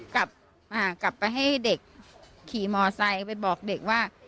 กลับไปให้เด็กขี่มอไซค์ไปบอกเด็กว่า